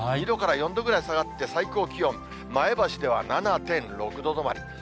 ２度から４度ぐらい下がって、最高気温、前橋では７．６度止まり。